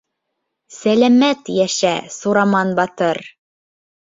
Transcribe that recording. Сәләмәт йәшә, Сураман батыр!